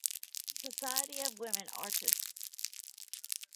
Society of Women Artists